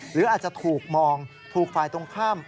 หรืออาจจะถูกมองถูกฝ่ายตรงข้าม